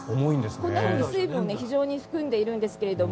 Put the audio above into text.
こんなふうに水分を非常に含んでいるんですけれども。